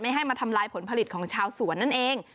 ให้มาทำลายผลผลิตของชาวสวนนั่นเอง